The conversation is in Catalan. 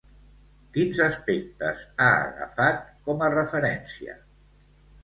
Quins aspectes ha agafat com a referència?